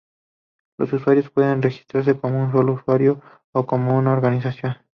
Los usuarios pueden registrarse como un solo usuario o como una organización.